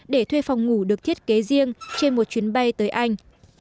để thuê phòng ngủ được thiết kế riêng trên một chuyến bay tới anh